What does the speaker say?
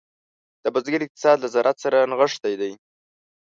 د بزګر اقتصاد له زراعت سره نغښتی دی.